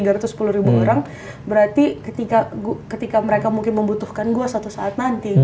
karena kalau tiga ratus sepuluh ribu orang berarti ketika mereka mungkin membutuhkan gue satu saat nanti